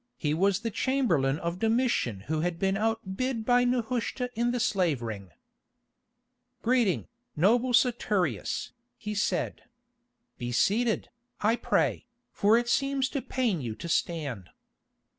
He was the chamberlain of Domitian who had been outbid by Nehushta in the slave ring. "Greeting, noble Saturius," he said. "Be seated, I pray, for it seems to pain you to stand."